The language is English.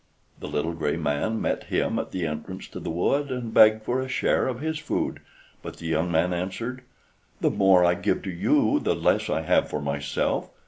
The little gray man met him at the entrance to the wood, and begged for a share of his food, but the young man answered: "The more I give to you, the less I have for myself.